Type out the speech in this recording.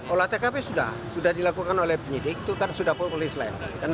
olah tkp sudah sudah dilakukan oleh penyidik itu kan sudah populis lain